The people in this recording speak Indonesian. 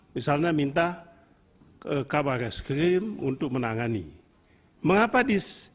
misalnya minta kabar reskrim untuk menangani